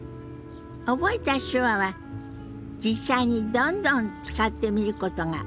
覚えた手話は実際にどんどん使ってみることが上達への近道よ。